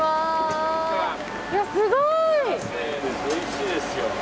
すごい！